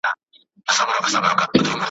چي خدای څومره پیدا کړی یم غښتلی `